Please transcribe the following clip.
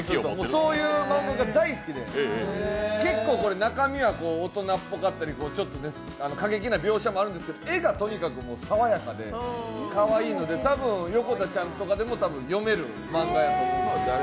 そういう漫画が大好きで結構中身は大人っぽかったりちょっと過激な描写もあるんですけど絵がとにかく爽やかでかわいいので多分、横田ちゃんとかでも読めるマンガやと思うんです。